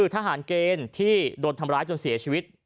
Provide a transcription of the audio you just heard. ทหารเกณฑ์ที่โดนทำร้ายจนเสียชีวิต